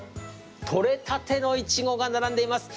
取れたてのイチゴが並んでいます。